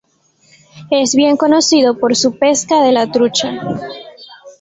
Es bien conocido por su pesca de la trucha.